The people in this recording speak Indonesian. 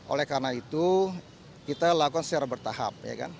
oleh karena itu kita lakukan secara bertahap